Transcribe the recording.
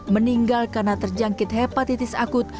meninggal karena terjangkit hepatitis akut